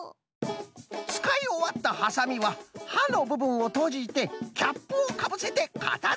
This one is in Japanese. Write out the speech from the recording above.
つかいおわったハサミははのぶぶんをとじてキャップをかぶせてかたづけること！